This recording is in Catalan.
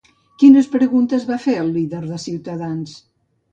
Quines preguntes va fer el líder de Ciutadans?